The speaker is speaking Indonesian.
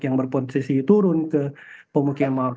yang berposisi turun ke pemukian mawak